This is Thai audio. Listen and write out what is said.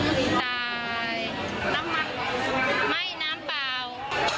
เหลียว